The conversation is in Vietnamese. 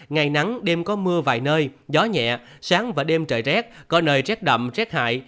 ngày nắng đêm có mưa vài nơi gió nhẹ sáng và đêm trời rét có nơi rét đậm rét hại